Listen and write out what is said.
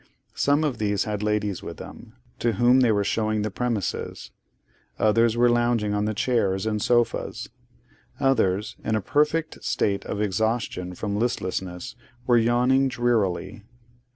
Some of these had ladies with them, to whom they were showing the premises; others were lounging on the chairs and sofas; others, in a perfect state of exhaustion from listlessness, were yawning drearily.